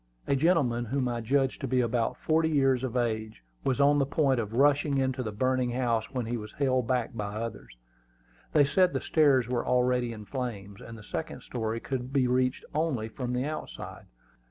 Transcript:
A gentleman whom I judged to be about forty years of age was on the point of rushing into the burning house when he was held back by others. They said the stairs were already in flames, and the second story could be reached only from the outside.